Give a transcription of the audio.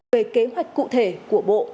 về kế hoạch cụ thể của bộ